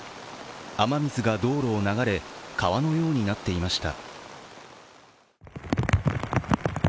雨水が道路を流れ、川のようになっていました。